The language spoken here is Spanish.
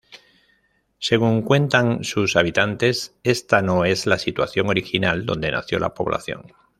Según cuentan sus habitantes, está no es la situación original donde nació la población.